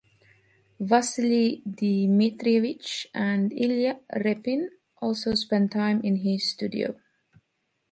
Vasilii Dmitrievich and Ilya Repin also spent time in his studio.